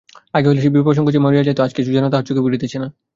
আগে হইলে বিভা সংকোচে মারিয়া যাইত, আজ কিছুই যেন তাহার চোখে পড়িতেছে না।